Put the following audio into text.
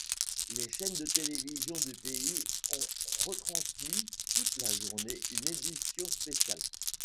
Les chaînes de télévision du pays ont retransmis toute la journée une édition spéciale.